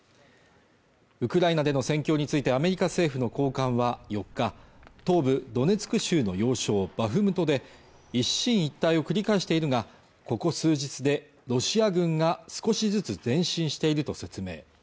ウクライナでの戦況についてアメリカ政府の高官は４日東部ドネツク州の要衝バフムトで一進一退を繰り返しているがここ数日でロシア軍が少しずつ前進していると説明